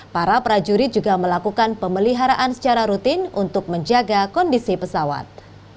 para prajurit juga melakukan pemeliharaan secara rutin untuk menjaga kondisi pesawat